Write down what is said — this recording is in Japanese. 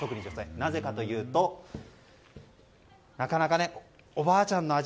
なぜかというとなかなかおばあちゃんの味